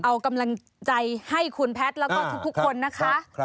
เอากำลังใจให้คุณแพทย์แล้วก็ทุกคนนะคะ